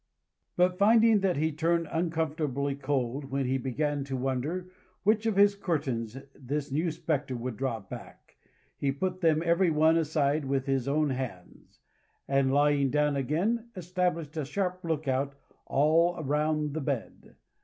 But, finding that he turned uncomfortably cold when he began to wonder which of his curtains this new spectre would draw back, he put them every one aside with his own hands, and lying down again, established a sharp look out all round the bed.